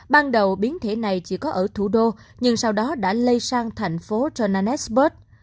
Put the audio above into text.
ban đầu biến thể này chỉ có ở thủ đô nhưng sau đó đã lây sang thành phố gennatbus